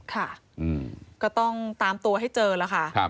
ค่ะก็ต้องตามตัวให้เจอแล้วค่ะ